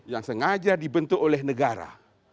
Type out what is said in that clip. yang sengaja dibentuk oleh negara